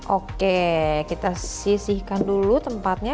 oke kita sisihkan dulu tempatnya